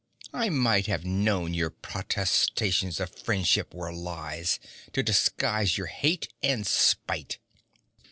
I might have known your protestations of friendship were lies, to disguise your hate and spite.'